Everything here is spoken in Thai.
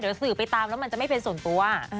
เดี๋ยวสื่อไปตามแล้วมันจะไม่เป็นส่วนตัว